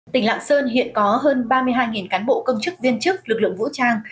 tỉnh lạng sơn hiện có hơn ba mươi hai cán bộ công chức viên chức lực lượng vũ trang